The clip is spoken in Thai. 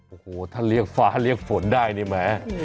โอ้โหถ้าเรียกฟ้าเรียกฝนได้นี่แหม